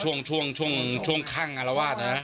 อ๋อช่วงช่วงช่วงช่วงคั่งอารวาสนะ